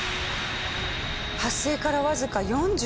発生からわずか４８秒。